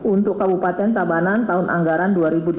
untuk kabupaten tabanan tahun anggaran dua ribu delapan belas